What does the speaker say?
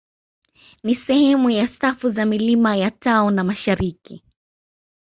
Ni sehemu ya safu za milima ya tao la mashariki